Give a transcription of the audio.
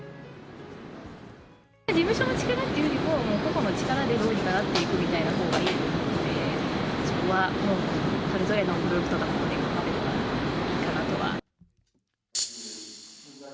事務所の力っていうよりも、個々の力でどうにかなっていくというほうがいいので、そこはもうそれぞれのグループとか、個々で頑張ればいいのかなとは。